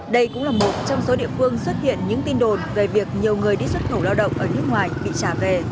đây cũng là một trong số địa phương xuất hiện những tin đồn về việc nhiều người đi xuất khẩu lao động ở nước ngoài bị trả về